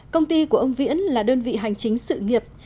công ty của ông viễn là đơn vị hành chính sự nghiệp